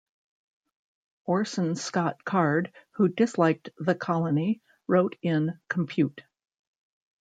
Orson Scott Card, who disliked "The Colony", wrote in "Compute!